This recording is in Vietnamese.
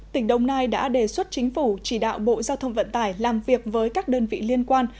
tỉnh đồng nai đã đề xuất chính phủ chỉ đạo bộ giao thông vận tải làm việc với các đơn vị liên quan